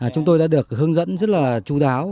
chúng tôi đã được hướng dẫn rất là chú đáo